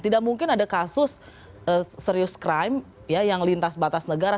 tidak mungkin ada kasus serius crime yang lintas batas negara